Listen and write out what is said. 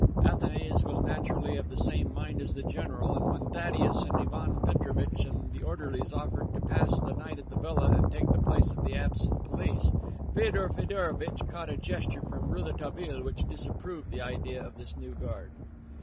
Athanase was naturally of the same mind as the general, and when Thaddeus and Ivan Petrovitch and the orderlies offered to pass the night at the villa and take the place of the absent police, Feodor Feodorovitch caught a gesture from Rouletabille which disapproved the idea of this new guard.